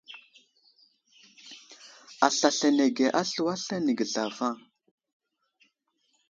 Aslasl anege a slu aslane ge zlavaŋ.